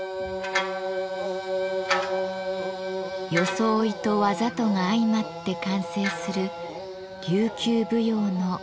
装いと技とが相まって完成する琉球舞踊の夢の世界。